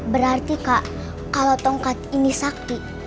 berarti kak kalau tongkat ini sakti